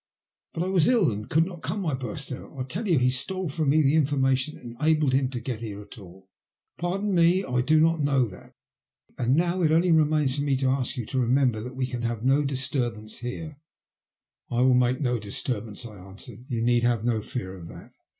But I was ill and could not come," I burst out. I tell you he stole from me the information that enabled him to get here at all." Pardon me, I do not know that. And now it only remains for me to ask you to remember that we can have no disturbance here." *' I will make no disturbance," I answered. You need have no fear of that.